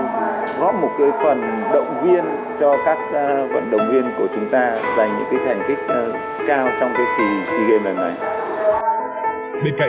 cũng góp một cái phần động viên cho các vận động viên của chúng ta dành những cái thành kích cao trong cái kỳ sea games ngày hôm nay